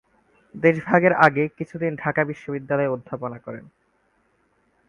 দেশভাগের আগে কিছুদিন ঢাকা বিশ্ববিদ্যালয়ে অধ্যাপনা করেন।